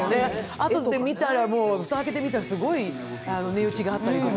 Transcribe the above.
あとで見たら、蓋を開けてみたらすごい値打ちがあったりとか。